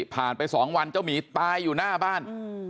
ผ่านไปสองวันเจ้าหมีตายอยู่หน้าบ้าน